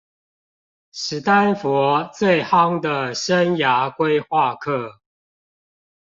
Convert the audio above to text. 史丹佛最夯的生涯規畫課